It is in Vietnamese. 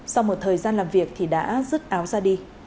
sau một thời gian làm việc thì đã rứt áo ra đi